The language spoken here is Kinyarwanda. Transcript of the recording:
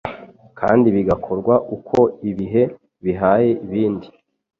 kandi bigakorwa uko ibihe bihaye ibindi.